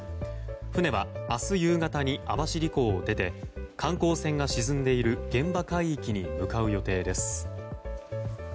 船は明日夕方に網走港を出て観光船が沈んでいる現場海域に向かう予定です。